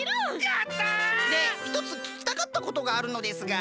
やった！でひとつききたかったことがあるのですが。